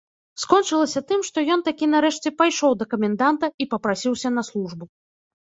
Скончылася тым, што ён такі нарэшце пайшоў да каменданта і папрасіўся на службу.